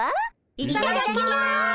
いただきます。